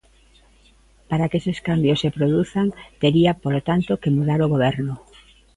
Para que eses cambios se produzan tería, polo tanto, que mudar o Goberno.